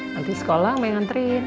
nanti sekolah mau ngantriin